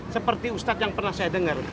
seperti ustadz yang pernah saya dengar